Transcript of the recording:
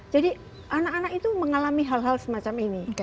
jadi anak anak itu mengalami hal hal semacam ini